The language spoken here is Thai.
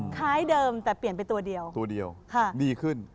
เดิมแต่เปลี่ยนไปตัวเดียวตัวเดียวดีขึ้น